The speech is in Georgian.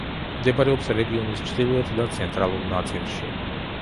მდებარეობს რეგიონის ჩრდილოეთ და ცენტრალურ ნაწილში.